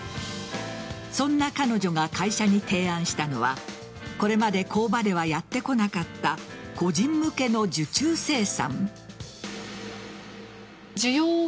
そんな彼女が会社に提案したのはこれまで工場ではやってこなかった個人向けの受注生産。